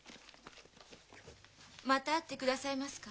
また会ってくださいますか？